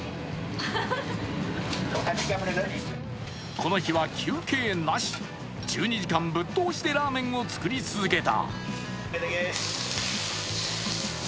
この日は休憩なし、１２時間ぶっ通しでラーメンを作り続けた。